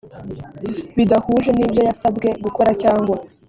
bidahuje n ibyo yasabwe gukora cyangwa